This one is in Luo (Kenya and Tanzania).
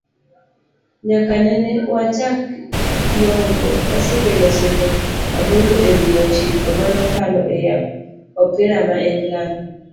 nyaka nene wachak yombo, wasekelo osimbo aboro ewi ochiko manokalo ei opira ma England